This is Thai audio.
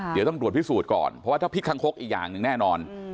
เดี๋ยวตำรวจพิสูจน์ก่อนเพราะว่าถ้าพลิกคังคกอีกอย่างหนึ่งแน่นอน